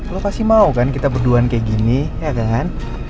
lo kasih mau kan kita berduaan kayak gini ya kan